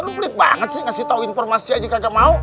lo pelit banget sih ngasih tau informasinya aja kagak mau